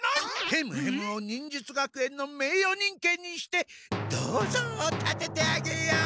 ヘムヘムを忍術学園の名誉忍犬にして銅像を建ててあげよう！